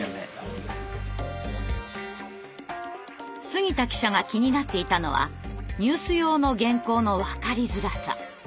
杉田記者が気になっていたのはニュース用の原稿のわかりづらさ。